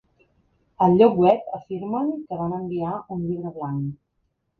Al lloc web afirmen que van enviar un llibre blanc.